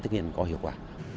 thực hiện có hiệu quả